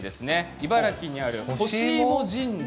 茨城にある、ほしいも神社。